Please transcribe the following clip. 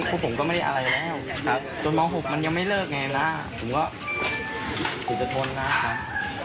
พวกผมก็ไม่ได้อะไรแล้วจนม๖มันยังไม่เลิกไงนะผมก็สุดจะทนนะครับ